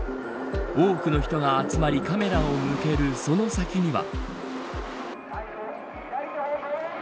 多くの人が集まりカメラを向けるその先には。